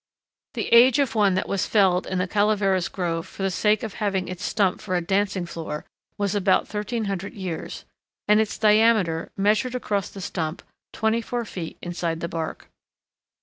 The age of one that was felled in the Calaveras Grove, for the sake of having its stump for a dancing floor, was about 1300 years, and its diameter, measured across the stump, 24 feet inside the bark.